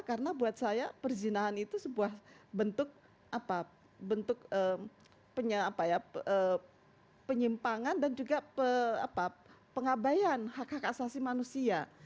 karena buat saya perzinahan itu sebuah bentuk penyimpangan dan juga pengabayan hak hak asasi manusia